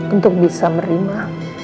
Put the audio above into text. untuk bisa merima